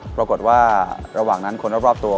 ปรากฏว่าระหว่างนั้นคนรอบตัว